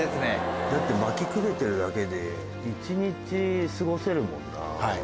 だってまきくべてるだけで一日過ごせるもんな。